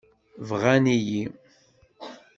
Bɣan-iyi.